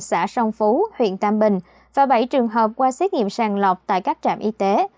xã song phú huyện tam bình và bảy trường hợp qua xét nghiệm sàng lọc tại các trạm y tế